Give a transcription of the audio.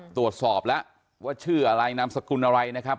ตรวจสอบแล้วว่าชื่ออะไรนามสกุลอะไรนะครับ